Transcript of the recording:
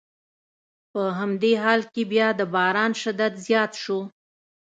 په همدې حال کې بیا د باران شدت زیات شو.